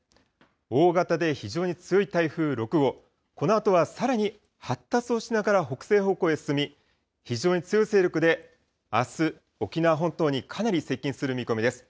大型で非常に強い台風６号、このあとはさらに発達をしながら北西方向に進み、非常に強い勢力であす、沖縄本島にかなり接近する見込みです。